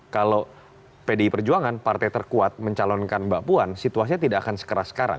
kalau pdi perjuangan partai terkuat mencalonkan mbak puan situasinya tidak akan sekeras sekarang